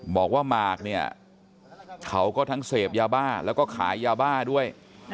หมากเนี่ยเขาก็ทั้งเสพยาบ้าแล้วก็ขายยาบ้าด้วย